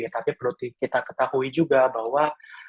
tapi perlu kita ketahui juga bahwa